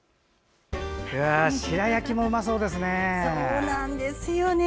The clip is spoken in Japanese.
白焼きもうまそうですね。